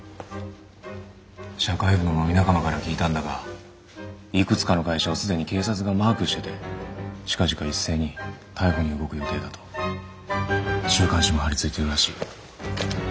社会部の飲み仲間から聞いたんだがいくつかの会社を既に警察がマークしてて近々一斉に逮捕に動く予定だと。週刊誌も張りついてるらしい。